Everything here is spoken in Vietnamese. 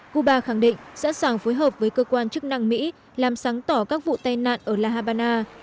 cuba khẳng định sẵn sàng phối hợp với cơ quan chức năng mỹ làm sáng tỏ các vụ tai nạn ở la habana